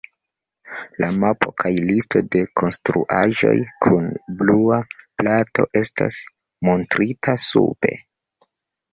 La mapo kaj listo de konstruaĵoj kun Blua Plato estas montrita sube.